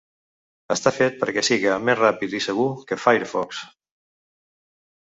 Està fet perquè siga més ràpid i segur que Firefox.